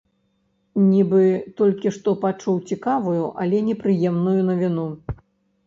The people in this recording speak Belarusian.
Нібы толькі што пачуў цікавую, але непрыемную навіну.